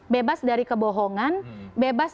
bebas dari kebohongan bebas